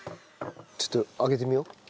ちょっと上げてみよう。